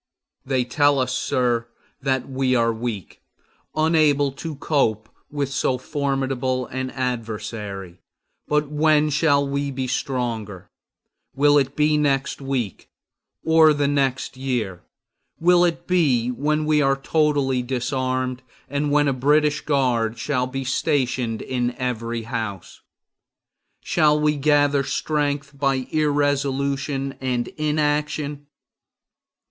They tell us, sir, that we are weak, unable to cope with so formidable an adversary; but when shall we be stronger? Will it be the next week, or the next year? Will it be when we are totally disarmed, and when a British guard shall be stationed in every house? Shall we gather strength by irresolution and inaction?